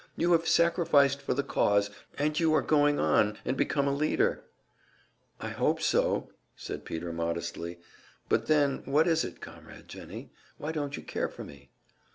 You have sacrificed for the cause, and you are going on and become a leader." "I hope so," said Peter, modestly. "But then, what is it, Comrade Jennie? Why don't you care for me?"